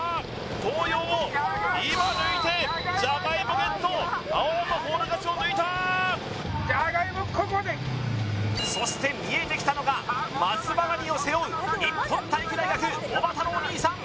東洋を今抜いてじゃがいもゲット青山フォール勝ちを抜いたそして見えてきたのが松葉ガニを背負う日本体育大学おばたのお兄さん